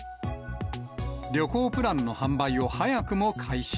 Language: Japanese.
旅行プランの販売を早くも開始。